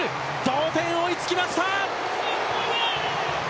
同点に追いつきました。